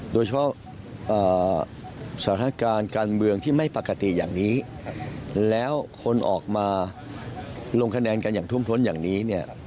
โดยเฉพาะสถานการณ์การเมืองที่ไม่ปกติอย่างนี้แล้วคนออกมาลงคะแนนกันอย่างทุ่มท้นอย่างนี้เนี่ย